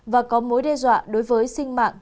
và có mối đe dọa đối với sinh mạng